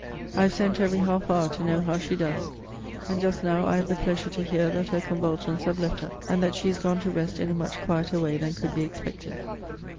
I have sent every half hour to know how she does and just now I have the pleasure to hear that her convulsions have left her; and that she is gone to rest in a much quieter way than could be expected.